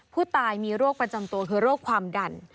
ผู้ตายมีโรคประจำตัวคือโรคความดัน